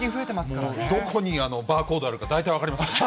どこにバーコードあるか、大体分かりますね。